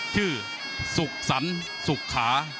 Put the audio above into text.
ชื่อสุกสันสุกขา